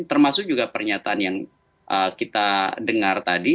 termasuk juga pernyataan yang kita dengar tadi